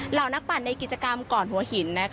เหล่านักปั่นในกิจกรรมก่อนหัวหิน